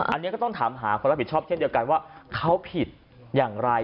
อันนี้ก็ต้องถามหาคนรับผิดชอบเช่นเดียวกันว่าเขาผิดอย่างไร